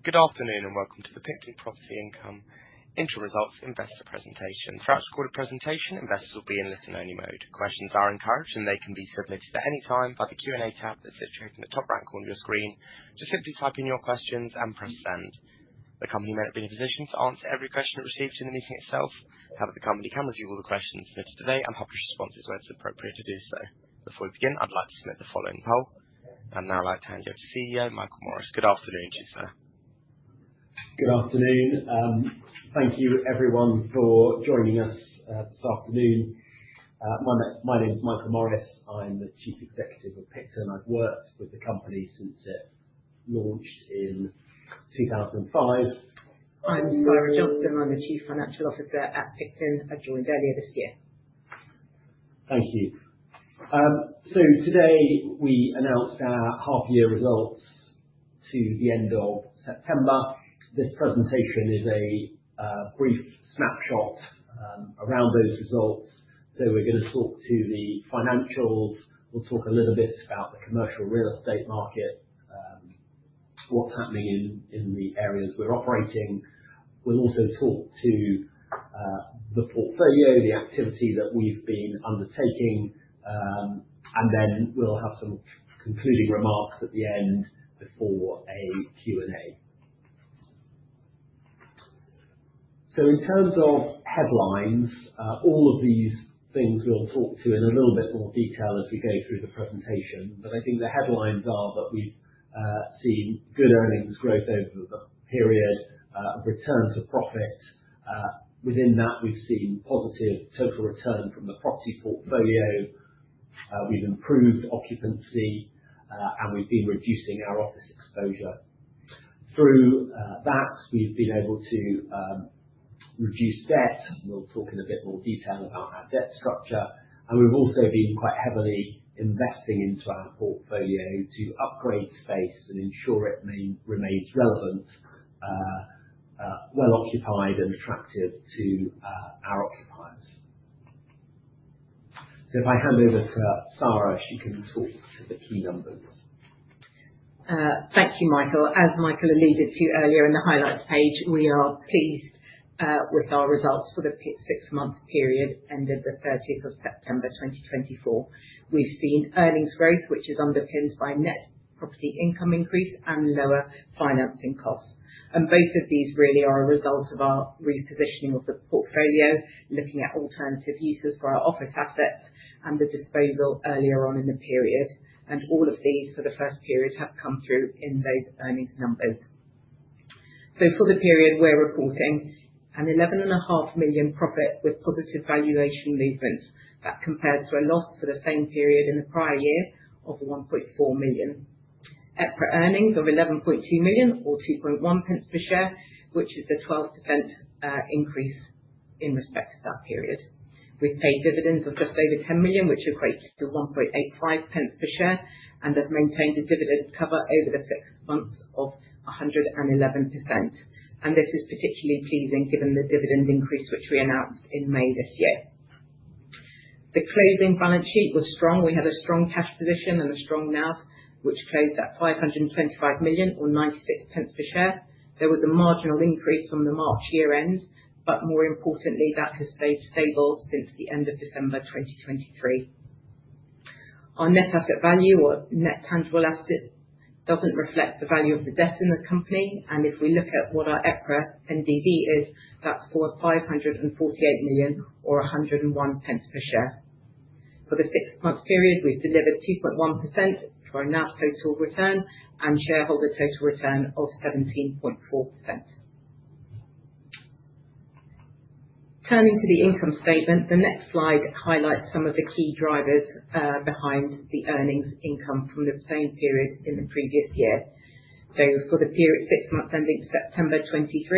Good afternoon and welcome to the Picton Property Income Interim Results Investor Presentation. Throughout this recorded presentation, investors will be in listen-only mode. Questions are encouraged, and they can be submitted at any time by the Q&A tab that sits right in the top right corner of your screen. Just simply type in your questions and press send. The company may not be in a position to answer every question it receives in the meeting itself, however the company can review all the questions submitted today and publish responses when it's appropriate to do so. Before we begin, I'd like to submit the following poll, and now I'd like to hand you over to CEO Michael Morris. Good afternoon, everyone. Good afternoon. Thank you, everyone, for joining us this afternoon. My name's Michael Morris. I'm the Chief Executive of Picton, and I've worked with the company since it launched in 2005. I'm Saira Johnston. I'm the Chief Financial Officer at Picton. I joined earlier this year. Thank you. So today we announced our half-year results to the end of September. This presentation is a brief snapshot around those results. So we're going to talk to the financials. We'll talk a little bit about the commercial real estate market, what's happening in the areas we're operating. We'll also talk to the portfolio, the activity that we've been undertaking, and then we'll have some concluding remarks at the end before a Q&A. So in terms of headlines, all of these things we'll talk to in a little bit more detail as we go through the presentation, but I think the headlines are that we've seen good earnings growth over the period, return to profit. Within that, we've seen positive total return from the property portfolio. We've improved occupancy, and we've been reducing our office exposure. Through that, we've been able to reduce debt. We'll talk in a bit more detail about our debt structure. And we've also been quite heavily investing into our portfolio to upgrade space and ensure it remains relevant, well-occupied, and attractive to our occupiers. So if I hand over to Saira, she can talk to the key numbers. Thank you, Michael. As Michael alluded to earlier in the highlights page, we are pleased with our results for the six-month period ended the 30th of September 2024. We've seen earnings growth, which is underpinned by net property income increase and lower financing costs, and both of these really are a result of our repositioning of the portfolio, looking at alternative uses for our office assets and the disposal earlier on in the period, and all of these for the first period have come through in those earnings numbers, so for the period we're reporting, an 11.5 million profit with positive valuation movements that compared to a loss for the same period in the prior year of 1.4 million. EPRA earnings of 11.2 million or 2.1 pence per share, which is a 12% increase in respect to that period. We've paid dividends of just over 10 million, which equates to 1.85 pence per share, and have maintained a dividend cover over the six months of 111%. And this is particularly pleasing given the dividend increase which we announced in May this year. The closing balance sheet was strong. We had a strong cash position and a strong NAV, which closed at 525 million or 96 pence per share. There was a marginal increase from the March year-end, but more importantly, that has stayed stable since the end of December 2023. Our net asset value or net tangible asset doesn't reflect the value of the debt in the company. And if we look at what our EPRA NDV is, that's 548 million or 101 pence per share. For the six-month period, we've delivered 2.1% for our NAV total return and shareholder total return of 17.4%. Turning to the income statement, the next slide highlights some of the key drivers behind the earnings income from the same period in the previous year. For the period six months ending September 2023,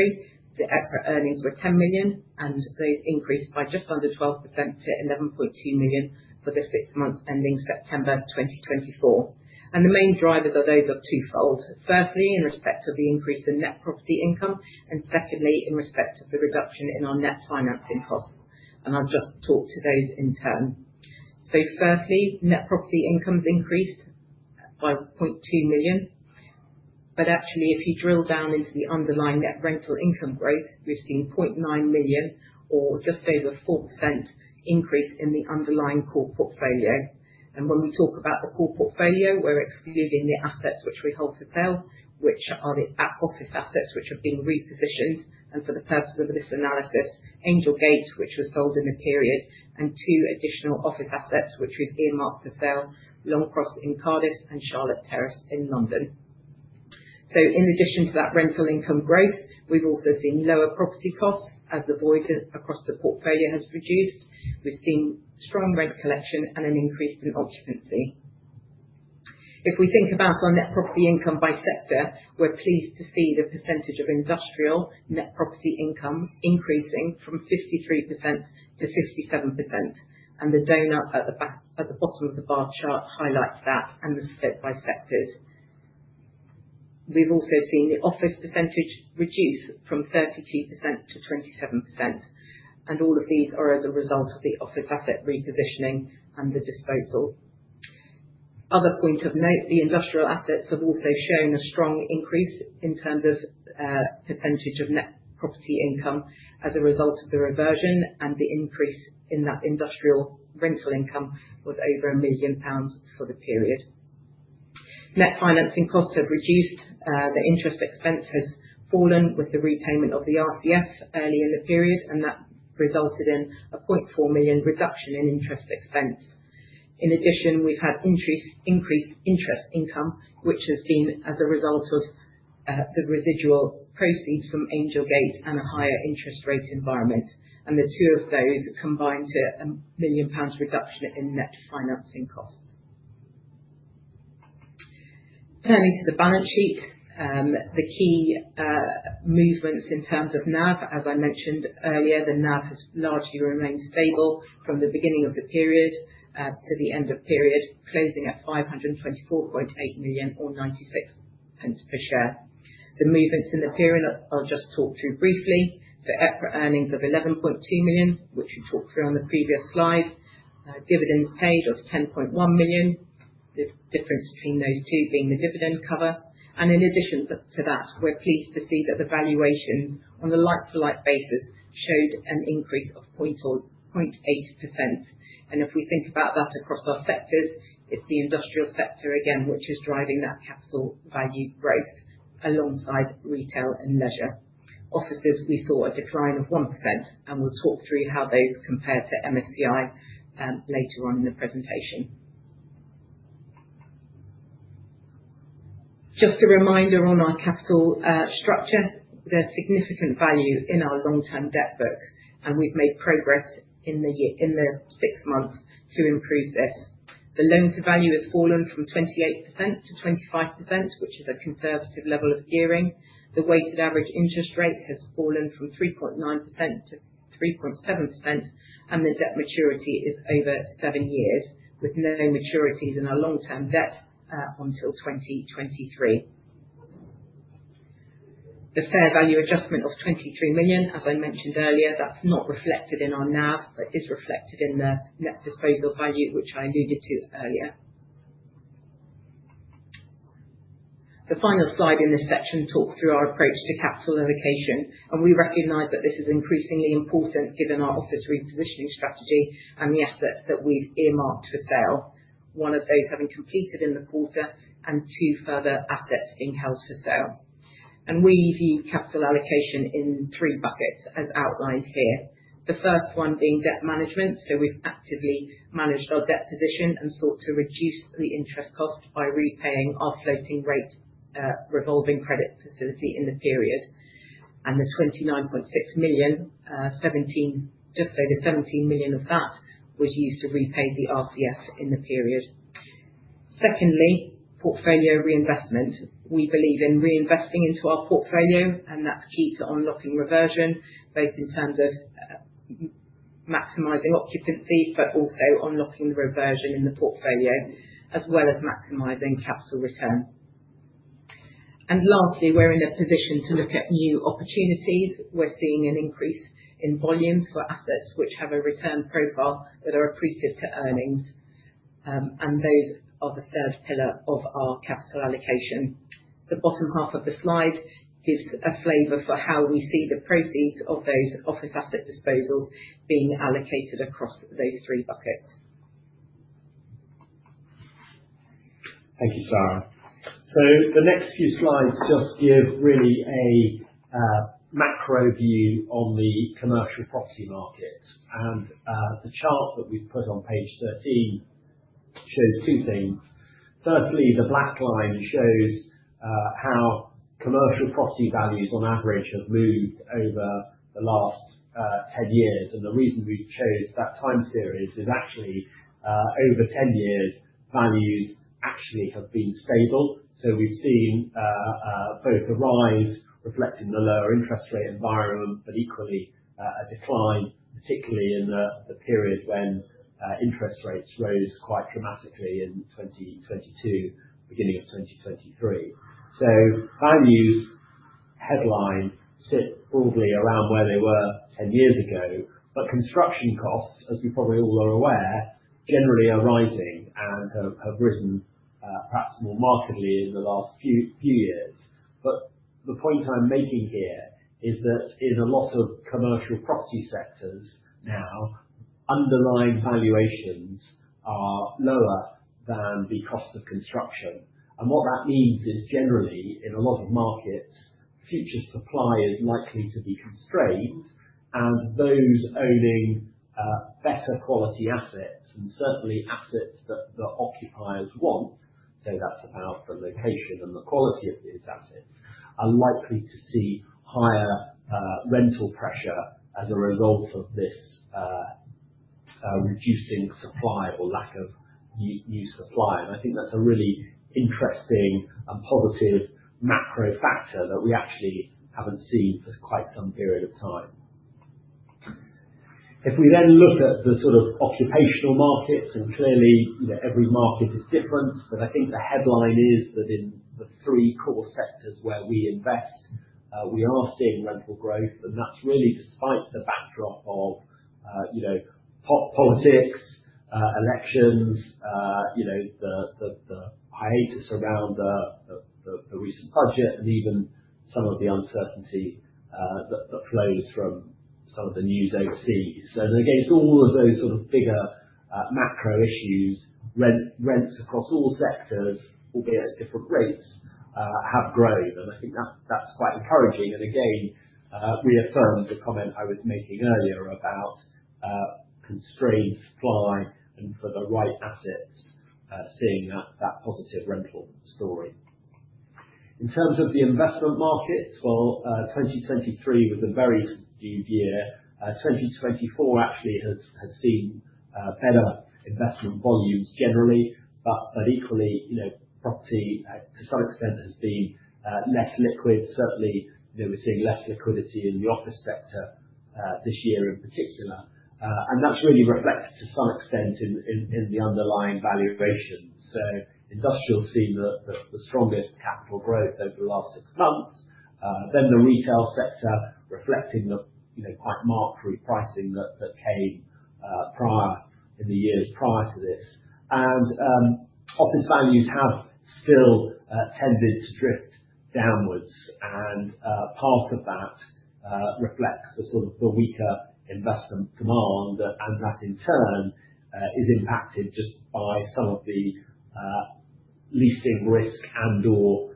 the EPRA earnings were 10 million, and those increased by just under 12% to 11.2 million for the six months ending September 2024. The main drivers are those of twofold. Firstly, in respect of the increase in net property income, and secondly, in respect of the reduction in our net financing costs. I'll just talk to those in turn. Firstly, net property income increased by 0.2 million. Actually, if you drill down into the underlying net rental income growth, we've seen 0.9 million or just over 4% increase in the underlying core portfolio. When we talk about the core portfolio, we're excluding the assets which we hold for sale, which are the office assets which have been repositioned and for the purpose of this analysis, Angel Gate, which was sold in the period, and two additional office assets which we've earmarked for sale, Longcross in Cardiff and Charlotte Terrace in London. In addition to that rental income growth, we've also seen lower property costs as vacancy across the portfolio has reduced. We've seen strong rent collection and an increase in occupancy. If we think about our net property income by sector, we're pleased to see the percentage of industrial net property income increasing from 53% to 57%. The donut at the bottom of the bar chart highlights that and the split by sectors. We've also seen the office percentage reduce from 32% to 27%. And all of these are as a result of the office asset repositioning and the disposal. Another point of note, the industrial assets have also shown a strong increase in terms of percentage of net property income as a result of the reversion, and the increase in that industrial rental income was over 1 million pounds for the period. Net financing costs have reduced. The interest expense has fallen with the repayment of the RCF early in the period, and that resulted in a 0.4 million reduction in interest expense. In addition, we've had increased interest income, which has been as a result of the residual proceeds from Angel Gate and a higher interest rate environment. And the two of those combine to a 1 million pounds reduction in net financing costs. Turning to the balance sheet, the key movements in terms of NAV, as I mentioned earlier, the NAV has largely remained stable from the beginning of the period to the end of the period, closing at 524.8 million or 96 pence per share. The movements in the period I'll just talk to briefly. So EPRA earnings of 11.2 million, which we talked through on the previous slide, dividends paid of 10.1 million, the difference between those two being the dividend cover. And in addition to that, we're pleased to see that the valuations on a like-for-like basis showed an increase of 0.8%. And if we think about that across our sectors, it's the industrial sector again, which is driving that capital value growth alongside retail and leisure. Offices, we saw a decline of 1%, and we'll talk through how those compare to MSCI later on in the presentation. Just a reminder on our capital structure, there's significant value in our long-term debt book, and we've made progress in the six months to improve this. The loan-to-value has fallen from 28% to 25%, which is a conservative level of gearing. The weighted average interest rate has fallen from 3.9% to 3.7%, and the debt maturity is over seven years, with no maturities in our long-term debt until 2023. The fair value adjustment of 23 million, as I mentioned earlier, that's not reflected in our NAV, but is reflected in the net disposal value, which I alluded to earlier. The final slide in this section talks through our approach to capital allocation, and we recognize that this is increasingly important given our office repositioning strategy and the assets that we've earmarked for sale, one of those having completed in the quarter and two further assets being held for sale. We view capital allocation in three buckets as outlined here. The first one being debt management, so we've actively managed our debt position and sought to reduce the interest cost by repaying our floating rate revolving credit facility in the period. The 29.6 million, just over 17 million of that was used to repay the RCF in the period. Secondly, portfolio reinvestment. We believe in reinvesting into our portfolio, and that's key to unlocking reversion, both in terms of maximizing occupancy, but also unlocking the reversion in the portfolio, as well as maximizing capital return. Lastly, we're in a position to look at new opportunities. We're seeing an increase in volumes for assets which have a return profile that are accretive to earnings. Those are the third pillar of our capital allocation. The bottom half of the slide gives a flavor for how we see the proceeds of those office asset disposals being allocated across those three buckets. Thank you, Saira. So the next few slides just give really a macro view on the commercial property market. And the chart that we've put on page 13 shows two things. Firstly, the black line shows how commercial property values on average have moved over the last 10 years. And the reason we chose that time series is actually over 10 years, values actually have been stable. So we've seen both a rise reflecting the lower interest rate environment, but equally a decline, particularly in the period when interest rates rose quite dramatically in 2022, beginning of 2023. So values headline sit broadly around where they were 10 years ago, but construction costs, as we probably all are aware, generally are rising and have risen perhaps more markedly in the last few years. But the point I'm making here is that in a lot of commercial property sectors now, underlying valuations are lower than the cost of construction. And what that means is generally in a lot of markets, future supply is likely to be constrained, and those owning better quality assets, and certainly assets that the occupiers want, so that's about the location and the quality of these assets, are likely to see higher rental pressure as a result of this reducing supply or lack of new supply. And I think that's a really interesting and positive macro factor that we actually haven't seen for quite some period of time. If we then look at the sort of occupational markets, and clearly every market is different, but I think the headline is that in the three core sectors where we invest, we are seeing rental growth, and that's really despite the backdrop of politics, elections, the hiatus around the recent budget, and even some of the uncertainty that flows from some of the news overseas. And against all of those sort of bigger macro issues, rents across all sectors, albeit at different rates, have grown. And I think that's quite encouraging. And again, reaffirms the comment I was making earlier about constrained supply and for the right assets, seeing that positive rental story. In terms of the investment markets, well, 2023 was a very skewed year. 2024 actually has seen better investment volumes generally, but equally, property to some extent has been less liquid. Certainly, we're seeing less liquidity in the office sector this year in particular, and that's really reflected to some extent in the underlying valuation, so industrial seen the strongest capital growth over the last six months, then the retail sector reflecting the quite marked repricing that came prior, in the years prior to this, and office values have still tended to drift downwards, and part of that reflects the sort of weaker investment demand, and that in turn is impacted just by some of the leasing risk and/or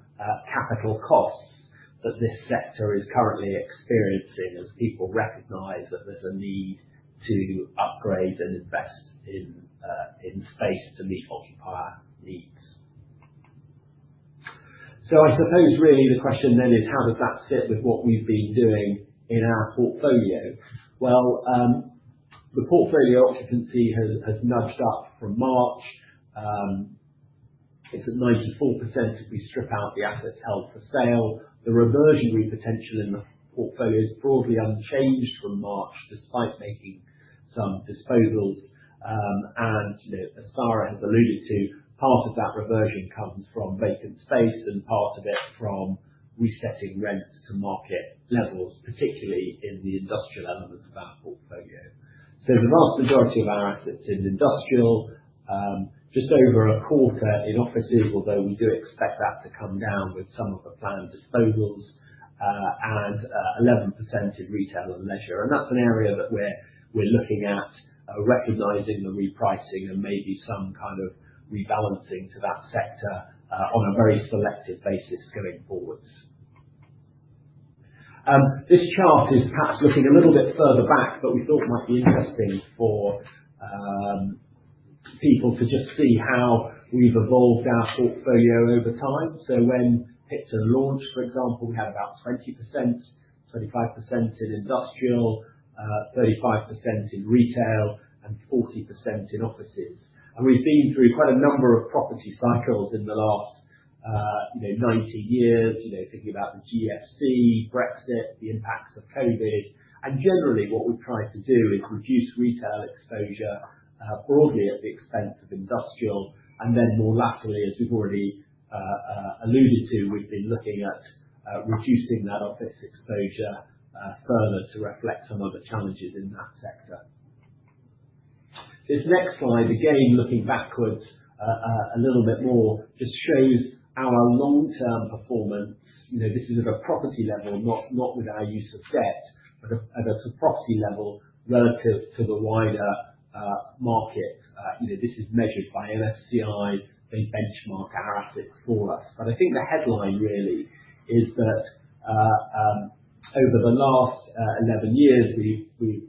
capital costs that this sector is currently experiencing as people recognize that there's a need to upgrade and invest in space to meet occupier needs, so I suppose really the question then is, how does that fit with what we've been doing in our portfolio, well, the portfolio occupancy has nudged up from March. It's at 94% if we strip out the assets held for sale. The reversionary potential in the portfolio is broadly unchanged from March despite making some disposals. And as Saira has alluded to, part of that reversion comes from vacant space and part of it from resetting rents to market levels, particularly in the industrial element of our portfolio. So the vast majority of our assets in industrial, just over a quarter in offices, although we do expect that to come down with some of the planned disposals, and 11% in retail and leisure. And that's an area that we're looking at recognizing the repricing and maybe some kind of rebalancing to that sector on a very selective basis going forward. This chart is perhaps looking a little bit further back, but we thought it might be interesting for people to just see how we've evolved our portfolio over time. So when Picton launched, for example, we had about 20%-25% in industrial, 35% in retail, and 40% in offices. And we've been through quite a number of property cycles in the last 19 years, thinking about the GFC, Brexit, the impacts of COVID. And generally, what we've tried to do is reduce retail exposure broadly at the expense of industrial. And then more laterally, as we've already alluded to, we've been looking at reducing that office exposure further to reflect some of the challenges in that sector. This next slide, again, looking backwards a little bit more, just shows our long-term performance. This is at a property level, not with our use of debt, but at a property level relative to the wider market. This is measured by MSCI; they benchmark our assets for us. I think the headline really is that over the last 11 years, we've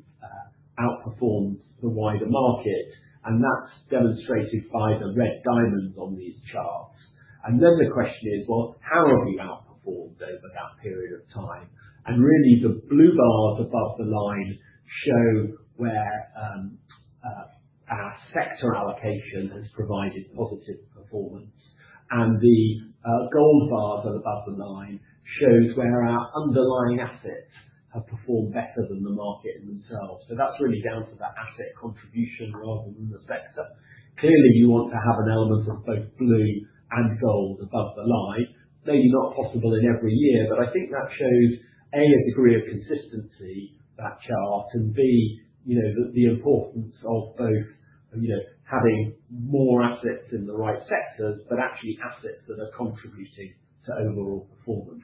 outperformed the wider market, and that's demonstrated by the red diamonds on these charts. And then the question is, well, how have we outperformed over that period of time? And really, the blue bars above the line show where our sector allocation has provided positive performance. And the gold bars above the line shows where our underlying assets have performed better than the market in themselves. So that's really down to the asset contribution rather than the sector. Clearly, you want to have an element of both blue and gold above the line. Maybe not possible in every year, but I think that shows, A, a degree of consistency, that chart, and B, the importance of both having more assets in the right sectors, but actually assets that are contributing to overall performance.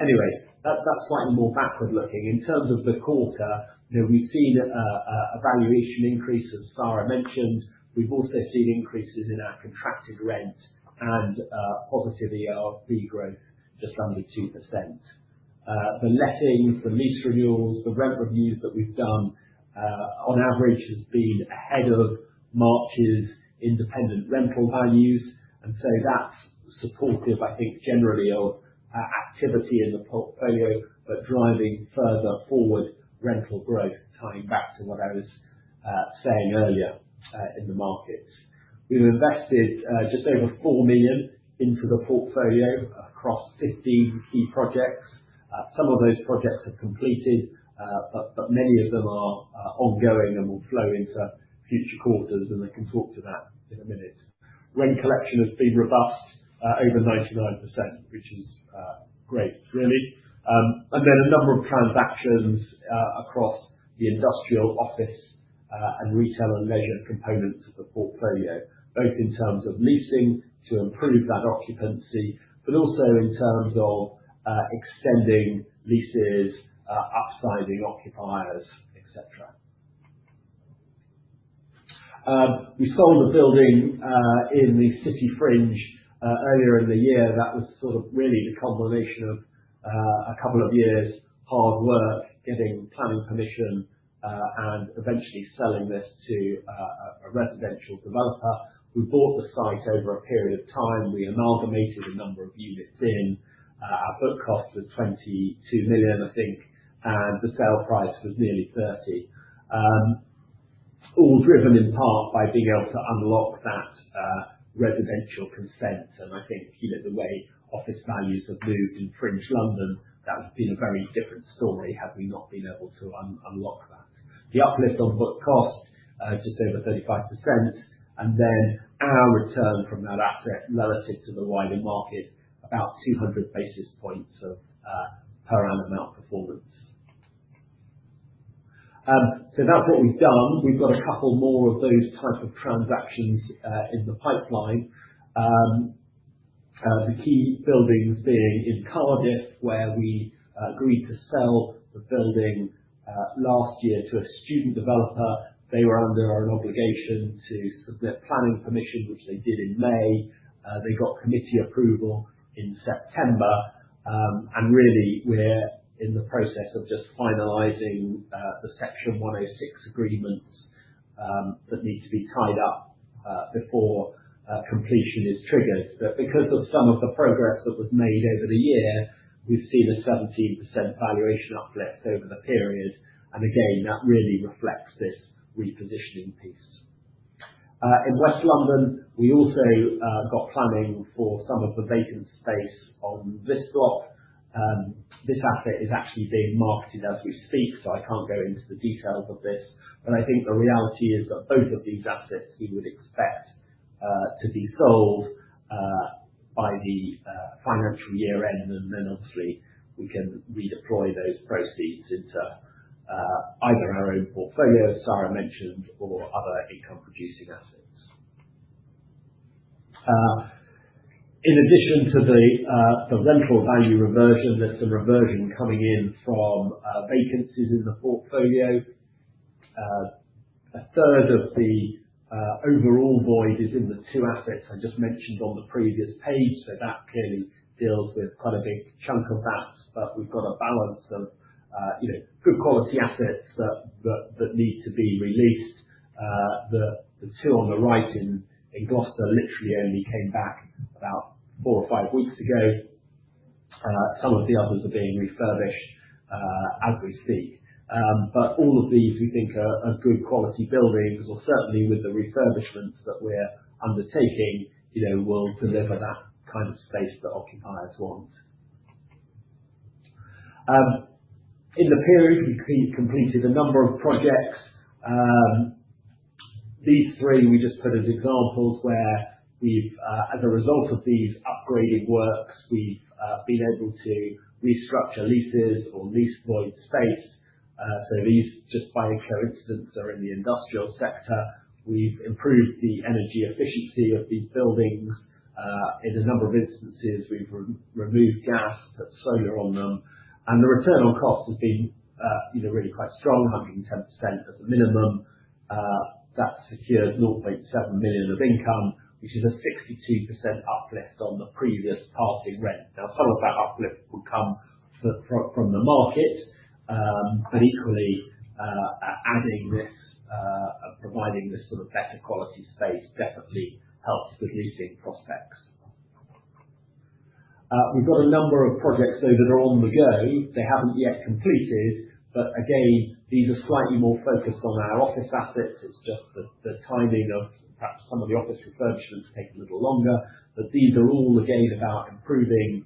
Anyway, that's slightly more backward looking. In terms of the quarter, we've seen a valuation increase as Saira mentioned. We've also seen increases in our contracted rent and positive ERV growth, just under 2%. The lettings, the lease renewals, the rent reviews that we've done, on average, have been ahead of March's independent rental values. And so that's supportive, I think, generally of activity in the portfolio, but driving further forward rental growth, tying back to what I was saying earlier in the markets. We've invested just over 4 million into the portfolio across 15 key projects. Some of those projects have completed, but many of them are ongoing and will flow into future quarters, and I can talk to that in a minute. Rent collection has been robust, over 99%, which is great, really. Then a number of transactions across the industrial, office, and retail and leisure components of the portfolio, both in terms of leasing to improve that occupancy, but also in terms of extending leases, upsizing occupiers, etc. We sold a building in the City Fringe earlier in the year. That was sort of really the combination of a couple of years' hard work, getting planning permission, and eventually selling this to a residential developer. We bought the site over a period of time. We amalgamated a number of units in. Our book cost was 22 million, I think, and the sale price was nearly 30 million, all driven in part by being able to unlock that residential consent. I think the way office values have moved in City Fringe London, that would have been a very different story had we not been able to unlock that. The uplift on book cost, just over 35%, and then our return from that asset relative to the wider market, about 200 basis points per annum outperformance. So that's what we've done. We've got a couple more of those types of transactions in the pipeline. The key buildings being in Cardiff, where we agreed to sell the building last year to a student developer. They were under an obligation to submit planning permission, which they did in May. They got committee approval in September. And really, we're in the process of just finalising the Section 106 agreements that need to be tied up before completion is triggered. But because of some of the progress that was made over the year, we've seen a 17% valuation uplift over the period. And again, that really reflects this repositioning piece. In West London, we also got planning for some of the vacant space on this block. This asset is actually being marketed as we speak, so I can't go into the details of this. But I think the reality is that both of these assets we would expect to be sold by the financial year end, and then obviously we can redeploy those proceeds into either our own portfolio, as Saira mentioned, or other income-producing assets. In addition to the rental value reversion, there's some reversion coming in from vacancies in the portfolio. A third of the overall void is in the two assets I just mentioned on the previous page, so that clearly deals with quite a big chunk of that. But we've got a balance of good quality assets that need to be re-leased. The two on the right in Gloucester literally only came back about four or five weeks ago. Some of the others are being refurbished as we speak, but all of these we think are good quality buildings, or certainly with the refurbishments that we're undertaking, will deliver that kind of space that occupiers want. In the period, we completed a number of projects. These three we just put as examples where we've, as a result of these upgrading works, we've been able to restructure leases or lease void space, so these, just by a coincidence, are in the industrial sector. We've improved the energy efficiency of these buildings. In a number of instances, we've removed gas and put solar on them, and the return on cost has been really quite strong, 110% as a minimum. That's secured north of 87 million of income, which is a 62% uplift on the previous passing rent. Now, some of that uplift will come from the market, but equally, adding this and providing this sort of better quality space definitely helps with leasing prospects. We've got a number of projects, though, that are on the go. They haven't yet completed, but again, these are slightly more focused on our office assets. It's just the timing of perhaps some of the office refurbishments take a little longer. But these are all, again, about improving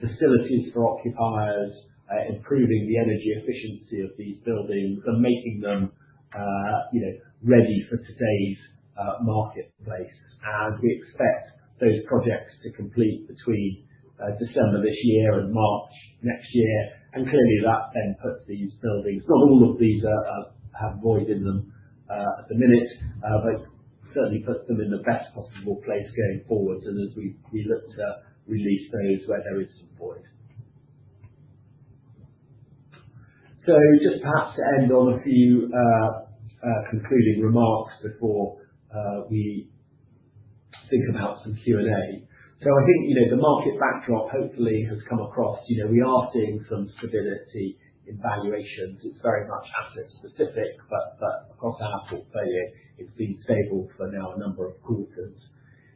facilities for occupiers, improving the energy efficiency of these buildings, and making them ready for today's marketplace. And we expect those projects to complete between December this year and March next year. Clearly, that then puts these buildings—not all of these have void in them at the minute, but certainly puts them in the best possible place going forwards as we look to re-lease those where there is some void. Just perhaps to end on a few concluding remarks before we think about some Q&A. I think the market backdrop hopefully has come across. We are seeing some stability in valuations. It's very much asset-specific, but across our portfolio, it's been stable for now a number of quarters.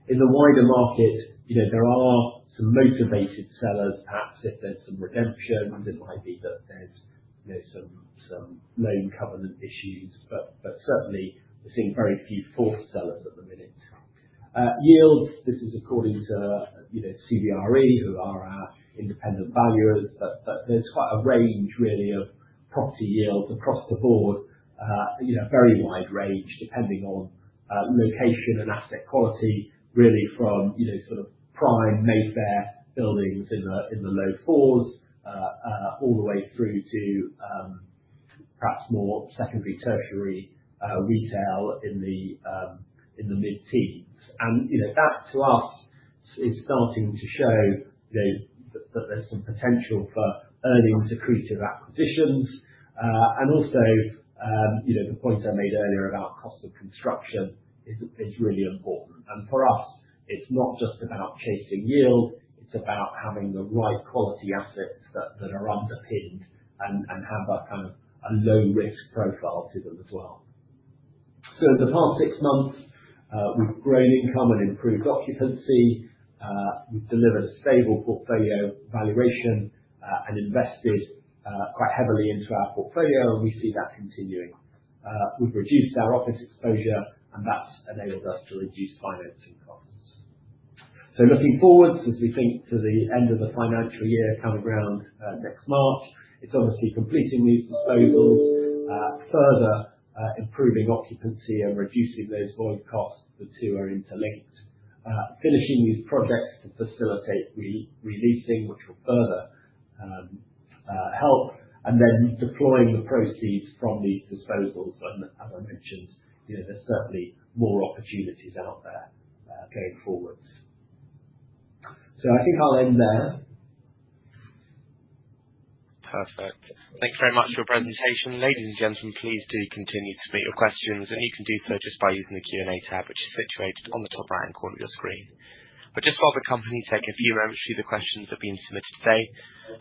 In the wider market, there are some motivated sellers, perhaps if there's some redemption. It might be that there's some loan covenant issues, but certainly, we're seeing very few forced sellers at the minute. Yields, this is according to CBRE, who are our independent valuers, but there's quite a range, really, of property yields across the board. Very wide range, depending on location and asset quality, really, from sort of prime Mayfair buildings in the low fours, all the way through to perhaps more secondary tertiary retail in the mid-teens. And that, to us, is starting to show that there's some potential for early and accretive acquisitions. And also, the point I made earlier about cost of construction is really important. And for us, it's not just about chasing yield. It's about having the right quality assets that are underpinned and have a kind of low-risk profile to them as well. So in the past six months, we've grown income and improved occupancy. We've delivered a stable portfolio valuation and invested quite heavily into our portfolio, and we see that continuing. We've reduced our office exposure, and that's enabled us to reduce financing costs. So looking forward, as we think to the end of the financial year coming around next March, it's obviously completing these disposals, further improving occupancy and reducing those void costs. The two are interlinked. Finishing these projects to facilitate re-leasing, which will further help, and then deploying the proceeds from these disposals. And as I mentioned, there's certainly more opportunities out there going forwards. So I think I'll end there. Perfect. Thanks very much for your presentation. Ladies and gentlemen, please do continue to submit your questions, and you can do so just by using the Q&A tab, which is situated on the top right-hand corner of your screen. But just while the company's taking a few moments through the questions that have been submitted today,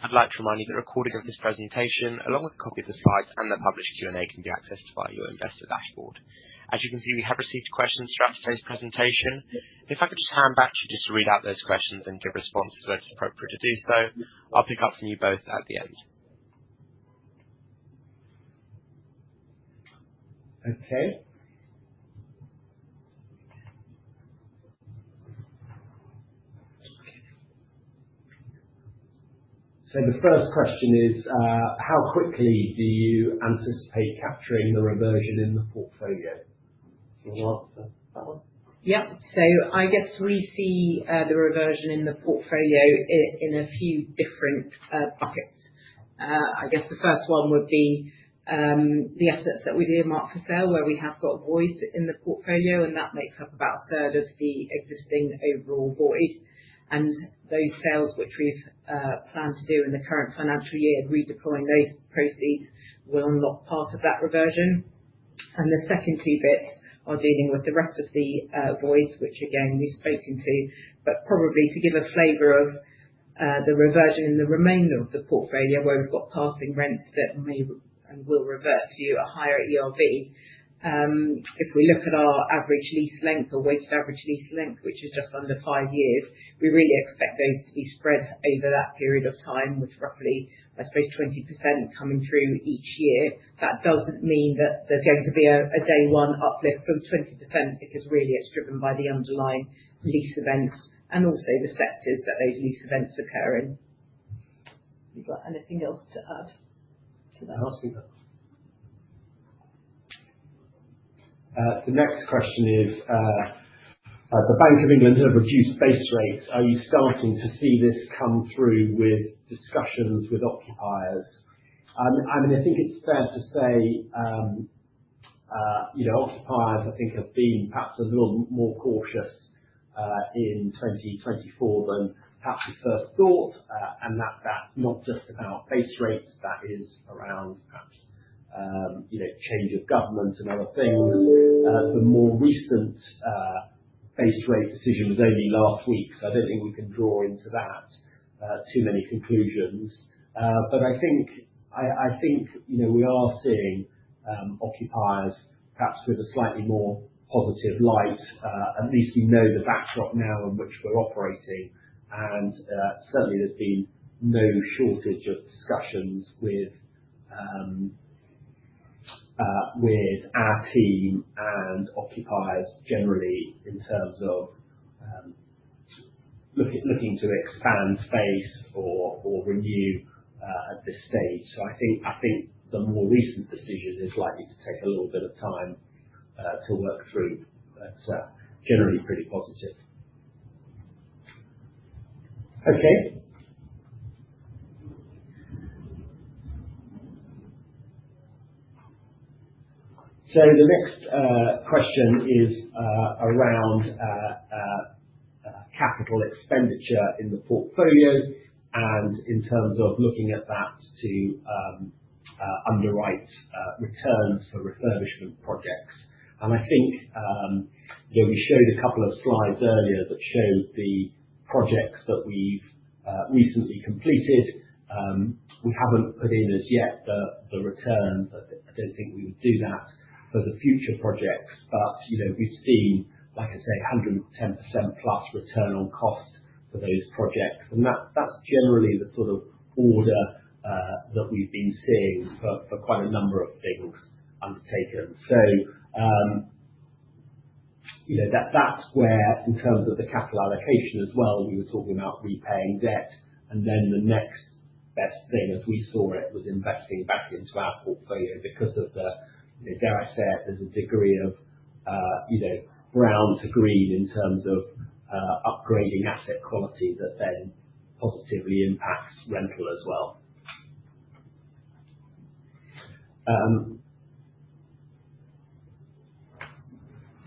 I'd like to remind you that the recording of this presentation, along with a copy of the slides and the published Q&A, can be accessed via your investor dashboard. As you can see, we have received questions throughout today's presentation. If I could just hand back to you to read out those questions and give responses when it's appropriate to do so, I'll pick up from you both at the end. Okay. So the first question is, how quickly do you anticipate capturing the reversion in the portfolio? Can you answer that one? Yeah. So I guess we see the reversion in the portfolio in a few different buckets. I guess the first one would be the assets that we've earmarked for sale, where we have got void in the portfolio, and that makes up about a third of the existing overall void, and those sales which we've planned to do in the current financial year, redeploying those proceeds, will unlock part of that reversion, and the second two bits are dealing with the rest of the void, which, again, we've spoken to, but probably to give a flavour of the reversion in the remainder of the portfolio, where we've got passing rents that may and will revert to a higher ERV. If we look at our average lease length or weighted average lease length, which is just under five years, we really expect those to be spread over that period of time, with roughly, I suppose, 20% coming through each year. That doesn't mean that there's going to be a day-one uplift of 20% because, really, it's driven by the underlying lease events and also the sectors that those lease events occur in. You've got anything else to add to that? I'm asking that. The next question is: the Bank of England have reduced base rates. Are you starting to see this come through with discussions with occupiers? I mean, I think it's fair to say occupiers, I think, have been perhaps a little more cautious in 2024 than perhaps we first thought, and that's not just about base rates, that is around perhaps change of government and other things. The more recent base rate decision was only last week, so I don't think we can draw into that too many conclusions, but I think we are seeing occupiers perhaps with a slightly more positive light. At least we know the backdrop now in which we're operating, and certainly, there's been no shortage of discussions with our team and occupiers generally in terms of looking to expand space or renew at this stage. I think the more recent decision is likely to take a little bit of time to work through, but generally pretty positive. Okay. The next question is around capital expenditure in the portfolio and in terms of looking at that to underwrite returns for refurbishment projects. I think we showed a couple of slides earlier that showed the projects that we've recently completed. We haven't put in as yet the returns. I don't think we would do that for the future projects, but we've seen, like I say, 110% plus return on cost for those projects. That's generally the sort of order that we've been seeing for quite a number of things undertaken. That's where, in terms of the capital allocation as well, we were talking about repaying debt. And then the next best thing, as we saw it, was investing back into our portfolio because of the, dare I say it, there's a degree of brown to green in terms of upgrading asset quality that then positively impacts rental as well.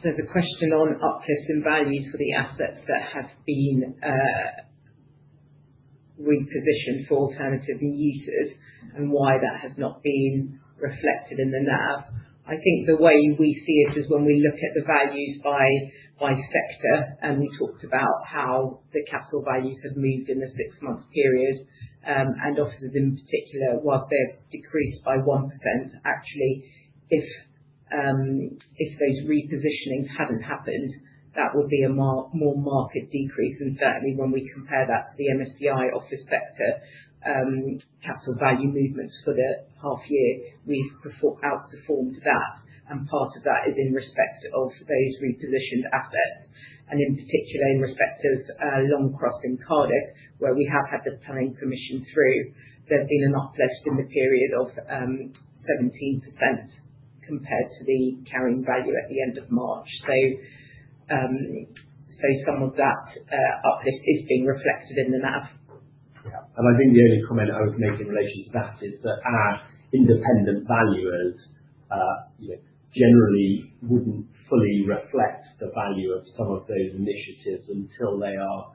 So the question on uplift in value for the assets that have been repositioned for alternative uses and why that has not been reflected in the NAV. I think the way we see it is when we look at the values by sector, and we talked about how the capital values have moved in the six-month period. And offices, in particular, while they've decreased by 1%, actually, if those repositionings hadn't happened, that would be a more market decrease. And certainly, when we compare that to the MSCI office sector capital value movements for the half year, we've outperformed that. And part of that is in respect of those repositioned assets. And in particular, in respect of Longcross in Cardiff, where we have had the planning permission through, there's been an uplift in the period of 17% compared to the carrying value at the end of March. So some of that uplift is being reflected in the NAV. Yeah, and I think the only comment I would make in relation to that is that our independent valuers generally wouldn't fully reflect the value of some of those initiatives until they are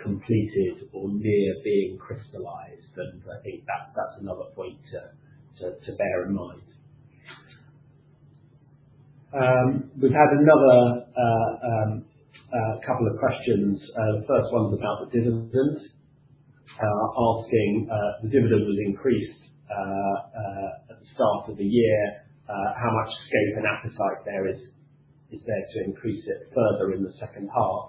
completed or near being crystallized, and I think that's another point to bear in mind. We've had another couple of questions. The first one's about the dividend, asking the dividend was increased at the start of the year. How much scope and appetite there is there to increase it further in the second half?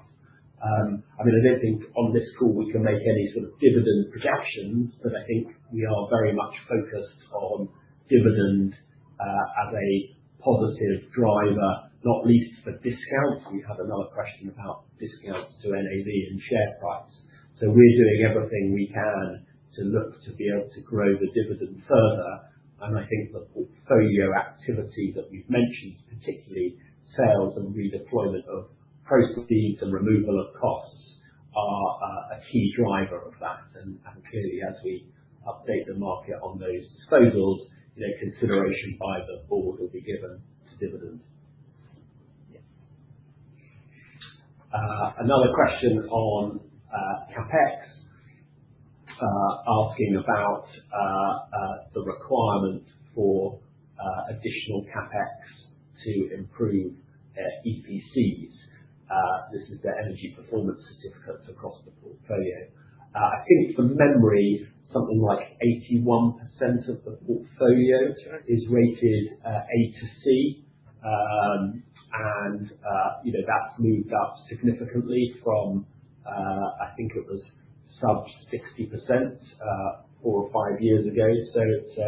I mean, I don't think on this call we can make any sort of dividend projections, but I think we are very much focused on dividend as a positive driver, not least for discounts. We have another question about discounts to NAV and share price, so we're doing everything we can to look to be able to grow the dividend further. And I think the portfolio activity that we've mentioned, particularly sales and redeployment of proceeds and removal of costs, are a key driver of that. And clearly, as we update the market on those disposals, consideration by the board will be given to dividend. Another question on CapEx, asking about the requirement for additional CapEx to improve EPCs. This is the energy performance certificates across the portfolio. I think, from memory, something like 81% of the portfolio is rated A to C. And that's moved up significantly from, I think it was sub-60% four or five years ago. So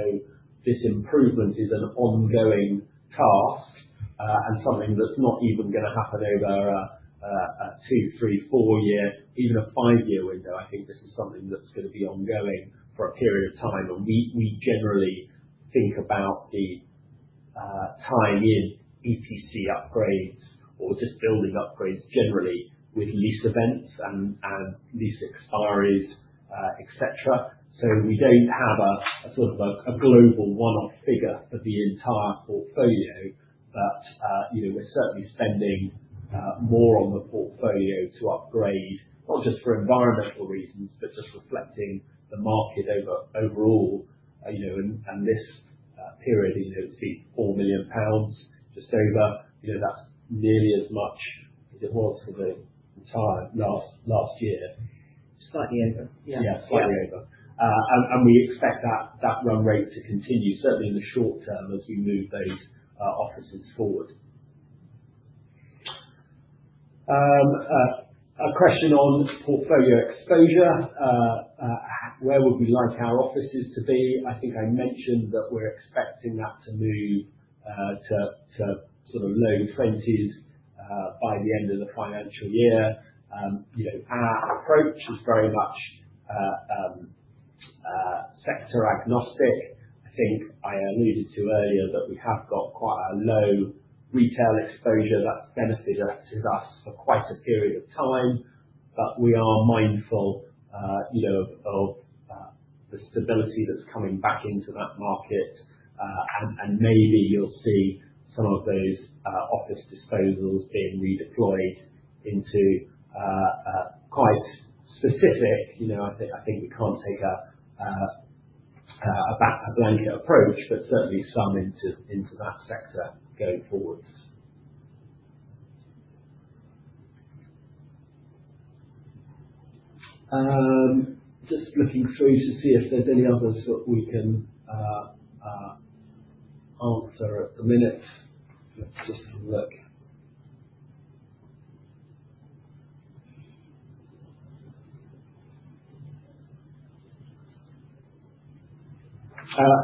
this improvement is an ongoing task and something that's not even going to happen over a two, three, four-year, even a five-year window. I think this is something that's going to be ongoing for a period of time. And we generally think about the tying in EPC upgrades or just building upgrades generally with lease events and lease expiries, etc. So we don't have a sort of a global one-off figure for the entire portfolio, but we're certainly spending more on the portfolio to upgrade, not just for environmental reasons, but just reflecting the market overall. And this period, it's been 4 million pounds just over. That's nearly as much as it was for the entire last year. Slightly over. Yeah. Yeah, slightly over, and we expect that run rate to continue, certainly in the short term as we move those offices forward. A question on portfolio exposure. Where would we like our offices to be? I think I mentioned that we're expecting that to move to sort of low 20s by the end of the financial year. Our approach is very much sector agnostic. I think I alluded to earlier that we have got quite a low retail exposure that's benefited us for quite a period of time, but we are mindful of the stability that's coming back into that market. And maybe you'll see some of those office disposals being redeployed into quite specific. I think we can't take a blanket approach, but certainly some into that sector going forwards. Just looking through to see if there's any others that we can answer at the minute. Let's just have a look.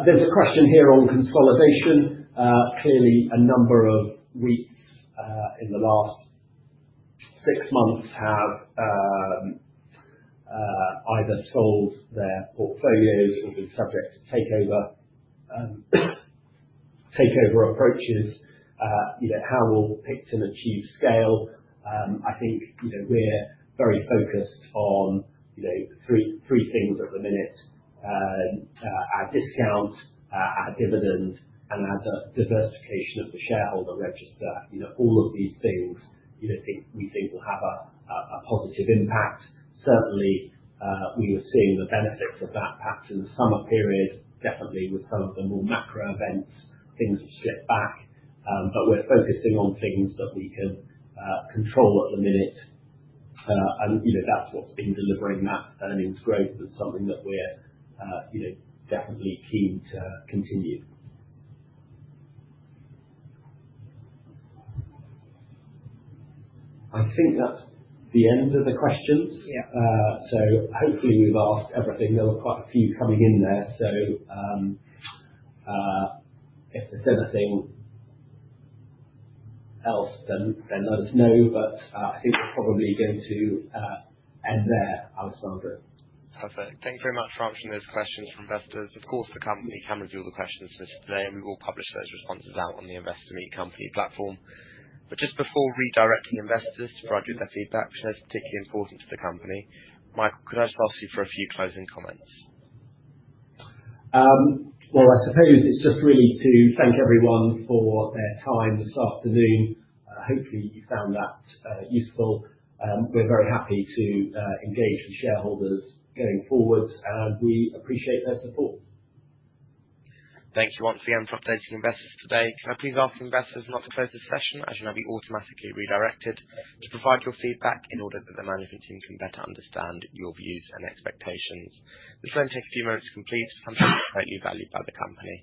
There's a question here on consolidation. Clearly, a number of REITs in the last six months have either sold their portfolios or been subject to takeover approaches, how we plan to achieve scale. I think we're very focused on three things at the minute: our discount, our dividend, and our diversification of the shareholder register. All of these things we think will have a positive impact. Certainly, we were seeing the benefits of that pattern in the summer period. Definitely with some of the more macro events, things have slipped back, but we're focusing on things that we can control at the minute, and that's what's been delivering that earnings growth and something that we're definitely keen to continue. I think that's the end of the questions. Yeah. So hopefully, we've asked everything. There were quite a few coming in there. So if there's anything else, then let us know. But I think we're probably going to end there, Alison Gordon. Perfect. Thank you very much for answering those questions from investors. Of course, the company can review the questions for us today, and we will publish those responses out on the Investor Meet Company platform. But just before redirecting investors to provide you with their feedback, which I know is particularly important to the company, Michael, could I just ask you for a few closing comments? I suppose it's just really to thank everyone for their time this afternoon. Hopefully, you found that useful. We're very happy to engage with shareholders going forward, and we appreciate their support. Thank you once again for updating investors today. Can I please ask investors not to close the session as you'll now be automatically redirected to provide your feedback in order that the management team can better understand your views and expectations? This will only take a few moments to complete, but something that's greatly valued by the company.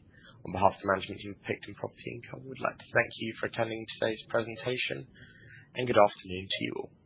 On behalf of the management team of Picton Property Income, we'd like to thank you for attending today's presentation, and good afternoon to you all.